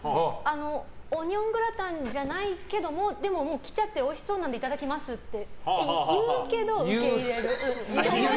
オニオングラタンじゃないけどもでももう来ちゃってるおいしそうなのでいただきますって言うけど受け入れる。